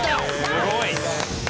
すごい。